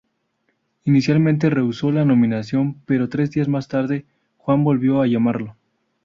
Inicialmente rehusó la nominación, pero tres días más tarde Juan volvió a llamarlo.